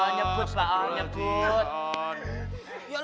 insya allah nyebut mbak on nyebut